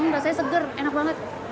rasanya seger enak banget